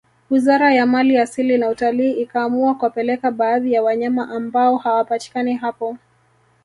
wizara ya mali asili na utalii ikaamua kuwapeleka baadhi ya wanyama ambao hawapatikani hapo